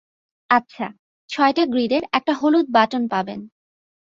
আচ্ছা, ছয়টা গ্রিডের একটা হলুদ বাটন পাবেন।